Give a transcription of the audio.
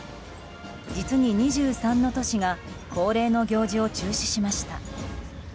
実に２３の都市が恒例の行事を中止しました。